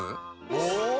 お！